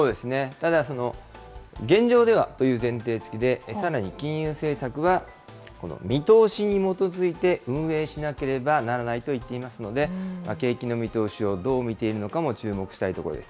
ただ、現状ではという前提つきで、さらに金融政策は見通しに基づいて運営しなければならないと言っていますので、景気の見通しをどう見ているのかも注目したいとこです。